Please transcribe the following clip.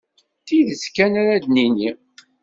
D tidet kan ara d-nini.